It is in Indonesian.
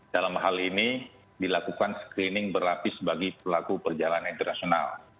dalam hal ini dilakukan screening berlapis bagi pelaku perjalanan internasional